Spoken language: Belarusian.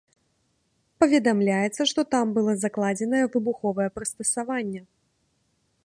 Паведамляецца, што там было закладзенае выбуховае прыстасаванне.